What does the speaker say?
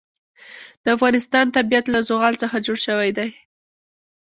د افغانستان طبیعت له زغال څخه جوړ شوی دی.